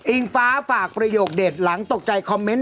ฟ้าฝากประโยคเด็ดหลังตกใจคอมเมนต์